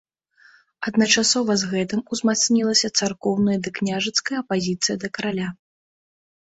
Адначасова з гэтым узмацнілася царкоўная ды княжацкая апазіцыі да караля.